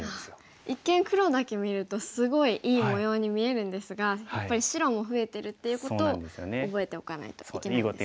一見黒だけ見るとすごいいい模様に見えるんですがやっぱり白も増えてるっていうことを覚えておかないといけないですね。